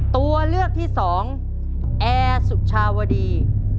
ตัวเลือกที่สองแอร์สุชาวดี